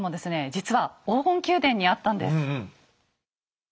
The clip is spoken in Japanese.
実は黄金宮殿にあったんです。